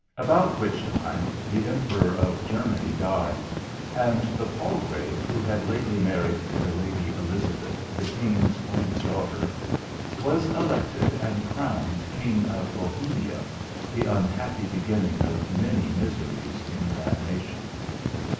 About which time the Emperor of Germany died, and the Palsgrave, who had lately married the Lady Elizabeth, the King's only daughter, was elected and crowned King of Bohemia, the unhappy beginning of many miseries in that nation.